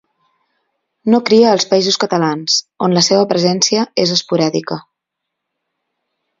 No cria als Països Catalans, on la seua presència és esporàdica.